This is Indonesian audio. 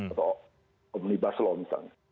atau komunitas baselol misalnya